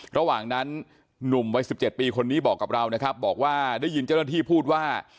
ระหว่างนั้นหนุ่มวัย๑๗ปีคนนี้บอกกับเรานะครับบอกว่าได้ยินเจ้าหน้าที่พูดว่า